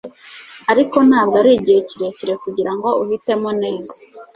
Ariko ntabwo arigihe kirekire kugirango uhitemo neza.